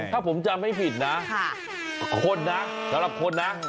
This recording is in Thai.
ถ้าผมจำไม่ผิดนะคนนะสำหรับคนนะ